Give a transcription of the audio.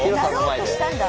なろうとしたんだ。